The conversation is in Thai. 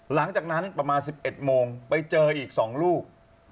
หลังจากนั้นประมาณ๑๑โมงไปเจออีก๒ลูก